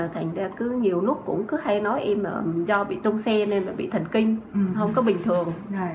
thành ra nhiều lúc cũng cứ hay nói em là do bị tung xe nên là bị thần kinh không có bình thường